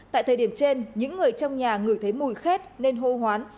tại thời điểm trên những người trong nhà ngửi thấy mùi khét nên hô hoán